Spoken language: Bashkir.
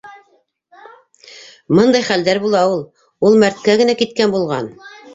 Мындай хәлдәр була ул. Ул мәрткә генә киткән булған.